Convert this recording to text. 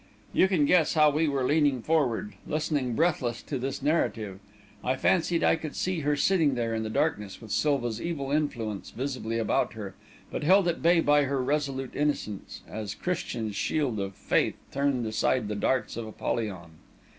You can guess how we were leaning forward, listening breathless to this narrative. I fancied I could see her sitting there in the darkness, with Silva's evil influence visibly about her, but held at bay by her resolute innocence, as Christian's shield of Faith turned aside the darts of Apollyon.